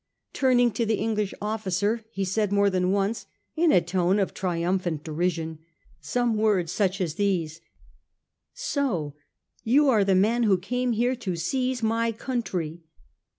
Turning to the Eng lish officer, he said more than once, 4 in a tone of triumphant derision,' some words such as these : 4 So you are the man who came here to seize my country